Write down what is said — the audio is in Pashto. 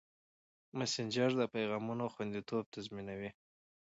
مسېنجر د پیغامونو خوندیتوب تضمینوي.